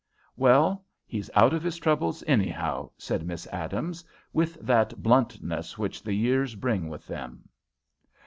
"Well, he's out of his troubles anyhow," said Miss Adams, with that bluntness which the years bring with them.